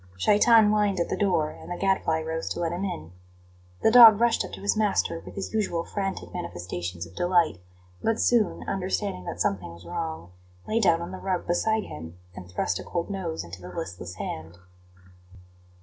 Shaitan whined at the door, and the Gadfly rose to let him in. The dog rushed up to his master with his usual frantic manifestations of delight, but soon, understanding that something was wrong, lay down on the rug beside him, and thrust a cold nose into the listless hand.